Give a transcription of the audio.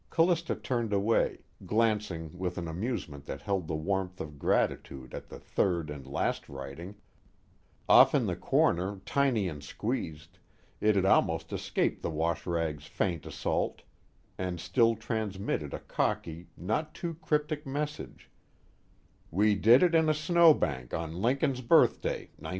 Callista turned away, glancing with an amusement that held the warmth of gratitude at the third and last writing off in the corner, tiny and squeezed, it had almost escaped the washrag's faint assault, and still transmitted a cocky, not too cryptic message: WE DID IT IN A SNOBANK ON LINCAN'S BIRTHDAY 1957.